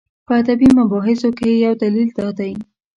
په ادبي مباحثو کې یې یو دلیل دا دی.